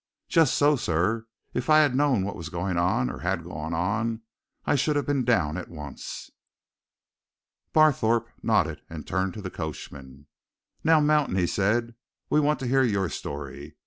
"Just so, sir. If I'd known what was going on, or had gone on, I should have been down at once." Barthorpe nodded and turned to the coachman. "Now, Mountain," he said. "We want to hear your story.